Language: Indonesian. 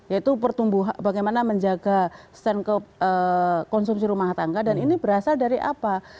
yaitu pertumbuhan bagaimana menjaga stand konsumsi rumah tangga dan ini berasal dari apa